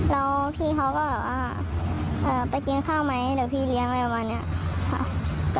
แล้วพี่เขาก็แบบว่าไปกินข้าวไหมเดี๋ยวพี่เลี้ยงอะไรประมาณนี้ค่ะ